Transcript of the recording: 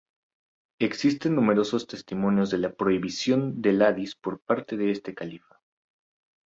Existen numerosos testimonios de la prohibición del hadiz por parte de este califa.